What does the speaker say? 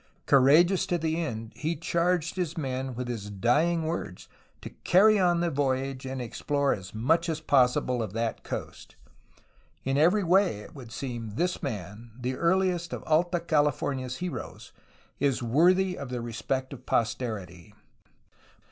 Courageous to the end, he charged his men with his dying words to carry on the voyage and explore as much as possible of that coast. In every way, it would seem, this man, the earliest of Alta California's heroes, is worthy of the respect of posterity.